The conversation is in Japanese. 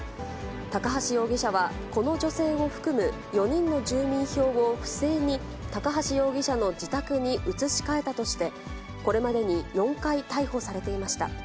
高橋容疑者は、この女性を含む４人の住民票を不正に高橋容疑者の自宅に移し替えたとして、これまでに４回逮捕されていました。